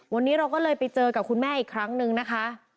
วันนี้เราก็เลยไปเจอกับคุณแม่อีกครั้งนึงนะคะ